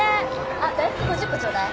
あっ大福５０個ちょうだい。